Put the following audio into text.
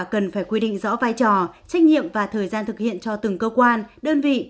cần phải quy định rõ vai trò trách nhiệm và thời gian thực hiện cho từng cơ quan đơn vị